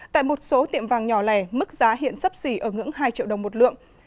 tại một số tiệm vàng nhỏ lẻ mức giá hiện sấp xỉ ở ngưỡng hai triệu đồng một lượng